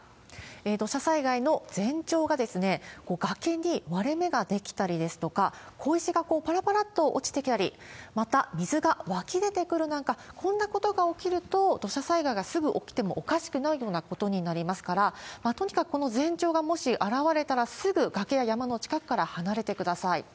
土砂災害の前兆が、崖に割れ目が出来たりですとか、小石がぱらぱらっと落ちてきたり、また、水が湧き出てくるなんか、こんなことが起きると、土砂災害がすぐ起きてもおかしくないようなことになりますから、とにかくこの前兆がもし現れたら、すぐ、崖や山の近くから離れてください。